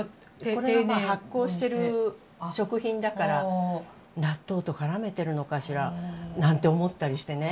これも発酵してる食品だから納豆と絡めてるのかしら？なんて思ったりしてね。